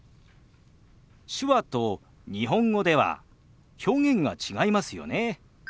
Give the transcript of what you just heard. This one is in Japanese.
手話と日本語では表現が違いますよね。